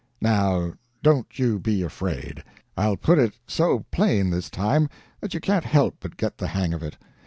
"Now don't you be afraid. I'll put it so plain this time that you can't help but get the hang of it.